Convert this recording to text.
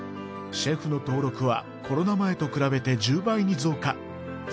シェフの登録はコロナ前と比べて１０倍に増加。